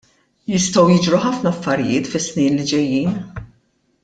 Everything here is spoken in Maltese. Jistgħu jiġru ħafna affarijiet fis-snin li ġejjin.